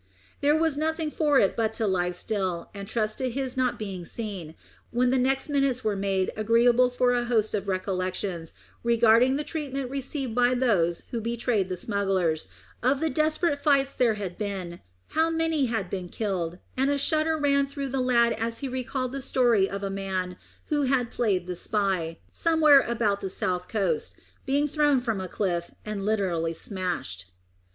There was nothing for it but to lie still, and trust to his not being seen, when the next minutes were made agreeable by a host of recollections regarding the treatment received by those who betrayed smugglers, of the desperate fights there had been, how many had been killed, and a shudder ran through the lad as he recalled the story of a man who had played the spy, somewhere about the south coast, being thrown from a cliff, and literally smashed.